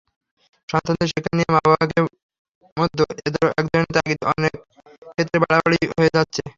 সন্তানদের শিক্ষা নিয়ে মা-বাবার মধ্যে একধরনের তাগিদ অনেক ক্ষেত্রে বাড়াবাড়ি হয়ে যাচ্ছে।